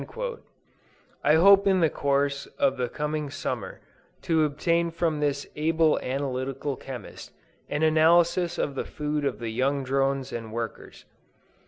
I hope in the course of the coming summer to obtain from this able analytical chemist, an analysis of the food of the young drones and workers.